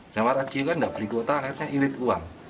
sama radio kan tidak beli kuota akhirnya irit uang